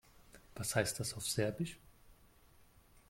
Was heißt das auf Serbisch?